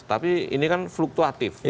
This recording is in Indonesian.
tapi ini kan fluktuatif